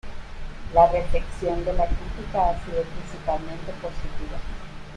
La recepción de la crítica ha sido principalmente positiva.